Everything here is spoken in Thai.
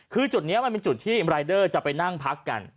คือจุดนี้มันเป็นจุดที่รายเดอร์จะไปนั่งพักกัน